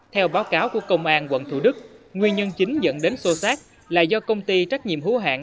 theo báo cáo của công an quận thủ đức nguyên nhân chính dẫn đến sô sát là do công ty trách nhiệm hữu hạn